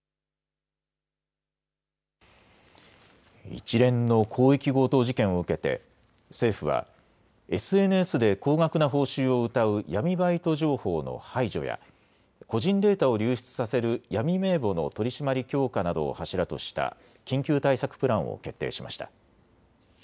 一連の広域強盗事件を受けて政府はＳＮＳで高額な報酬をうたう闇バイト情報の排除や個人データを流出させる闇名簿の取締り強化などを柱とした緊急対策プランを決定しました。